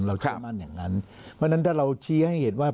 เชื่อมั่นอย่างนั้นเพราะฉะนั้นถ้าเราชี้ให้เห็นว่า